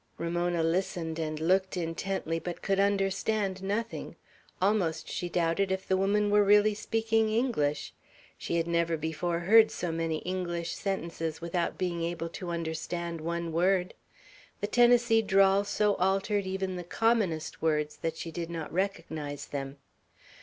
Ramona listened and looked intently, but could understand nothing. Almost she doubted if the woman were really speaking English. She had never before heard so many English sentences without being able to understand one word. The Tennessee drawl so altered even the commonest words, that she did not recognize them.